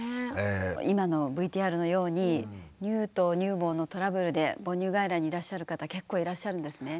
今のＶＴＲのように乳頭乳房のトラブルで母乳外来にいらっしゃる方結構いらっしゃるんですね。